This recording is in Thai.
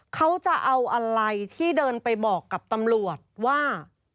เขาจะเอาอะไรที่เดินไปบอกกับตำรวจว่า